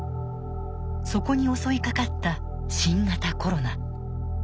そこに襲いかかった新型コロナ。